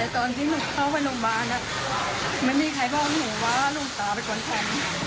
ตอนที่หนูเข้าไปโรงพยาบาลไม่มีใครบอกหนูว่าลุงตาเป็นคนแทง